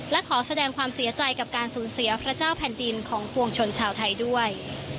และขอแสดงความเสียใจกับการสูญเสียพระเจ้าแผ่นดินของปวงชนชาวไทยด้วย